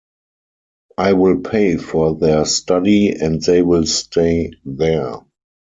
I will pay for their study, and they will stay there.